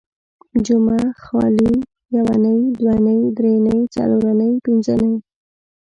جمعه ، خالي ، يونۍ ،دونۍ ، دري نۍ، څلور نۍ، پنځه نۍ